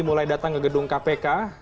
mulai datang ke gedung kpk